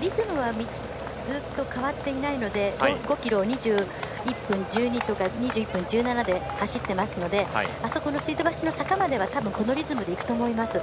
リズムはずっと変わっていないので５ｋｍ、２１分１２とかで走っていますのであそこの水道橋の坂まではこのリズムでいくと思います。